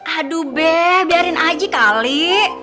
aduh be biarin haji kali